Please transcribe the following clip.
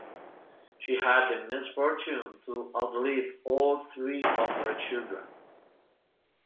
She had the misfortune to outlive all three of her children.